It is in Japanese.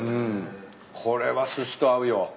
これはすしと合うよ。